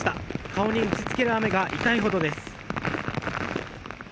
顔に打ち付ける雨が痛いほどです。